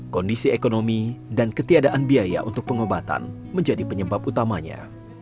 kondisi ekonomi dan ketiadaan biaya untuk pengobatan menjadi penyebab utamanya